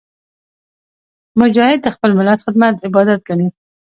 مجاهد د خپل ملت خدمت عبادت ګڼي.